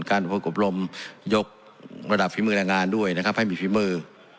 อบรมยกระดับฝีมือแรงงานด้วยนะครับให้มีฝีมือ